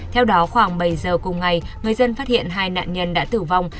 theo đó khoảng bảy giờ cùng ngày người dân phát hiện hai nạn nhân đã tử vong